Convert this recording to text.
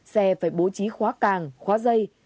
xe phải bố trí khóa càng khóa dây